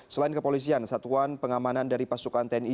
selain kepolisian satuan pengamanan dari pasukan tni